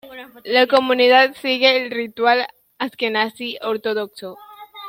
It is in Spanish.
La comunidad sigue el ritual ashkenazi ortodoxo.